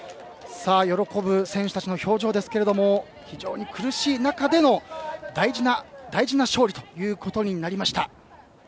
喜ぶ選手たちの表情ですが非常に苦しい中での大事な大事な勝利となりました。